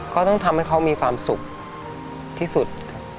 ก็ต้องทำให้เขามีความสุขที่สุดครับ